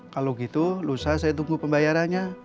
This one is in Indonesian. kalau gitu lusa saya tunggu pembayarannya